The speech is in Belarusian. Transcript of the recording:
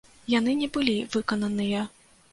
Яны не былі выкананыя.